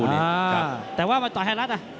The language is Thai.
อ่าแต่ว่ามาต่อดูฟรีนะ